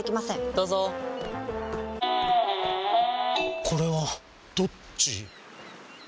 どうぞこれはどっち？